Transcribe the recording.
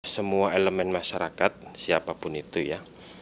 semua elemen masyarakat siapapun itu ya